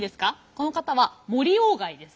この方は森外です。